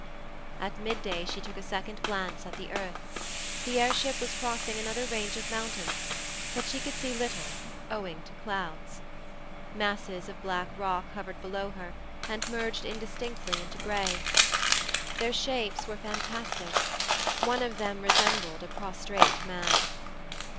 At midday she took a second glance at the earth. The air ship was crossing another range of mountains, but she could see little, owing to clouds. Masses of black rock hovered below her, and merged indistinctly into grey. Their shapes were fantastic; one of them resembled a prostrate man.